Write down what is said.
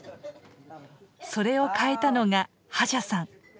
それを変えたのがハジャさん。